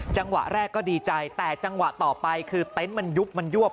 จังหวะแรกก็ดีใจแต่จังหวะต่อไปคือเต็นต์มันยุบมันยวบ